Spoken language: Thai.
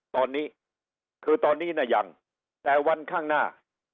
ตอนนี้คือตอนนี้นะยังแต่วันข้างหน้า